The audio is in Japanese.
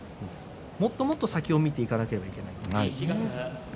もっともっと先を見ていかなければいけないですね。